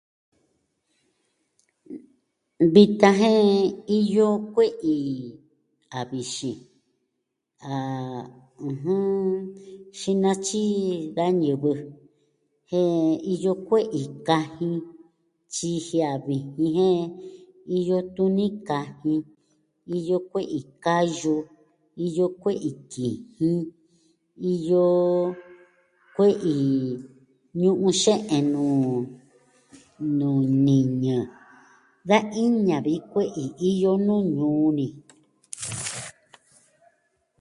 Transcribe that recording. Vitan jen, iyo kue'i a vixin. Ah... ɨjɨn... Xinatyi da ñivɨ. Jen iyo kue'i kajin. Tyiji a vijin jen iyo tuni kajin. Iyo kue'i kayu. iyo kue'i kijin. Iyo kue'i ñu'un xe'en nuu... nuu niñɨ. Da i'ña vi kue'i iyo nuu ñuu ni.